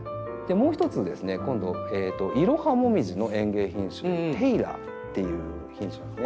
もう一つですね今度イロハモミジの園芸品種の「テイラー」っていう品種ですね。